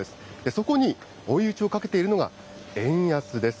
そこに追い打ちをかけているのが円安です。